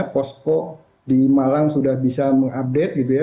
posko di malang sudah bisa mengupdate gitu ya